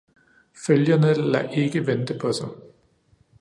Følgerne lader ikke vente på sig.